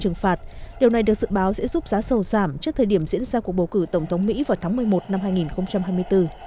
trừng phạt điều này được dự báo sẽ giúp giá dầu giảm trước thời điểm diễn ra cuộc bầu cử tổng thống mỹ vào tháng một mươi một năm hai nghìn hai mươi bốn